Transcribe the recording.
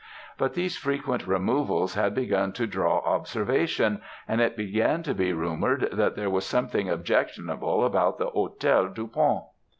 But these frequent removals had begun to draw observation, and it began to be rumoured that there was something objectionable about the Hôtel du Pont.